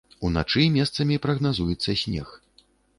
Уначы месцамі прагназуецца снег.